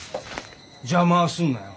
邪魔はすんなよ。